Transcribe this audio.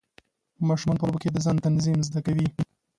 ماشومان په لوبو کې د ځان تنظیم زده کوي.